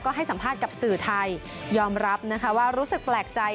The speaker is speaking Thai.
ให้สัมภาษณ์กับสื่อไทยยอมรับนะคะว่ารู้สึกแปลกใจ